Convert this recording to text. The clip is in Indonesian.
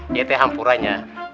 ini itu hampurannya